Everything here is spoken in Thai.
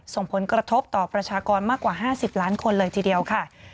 ส่งผลกระทบต่อประชากรมากกว่า๕๐ล้านคนเลยทีเดียวค่ะ